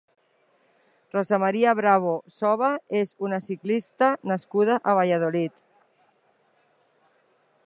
Rosa María Bravo Soba és una ciclista nascuda a Valladolid.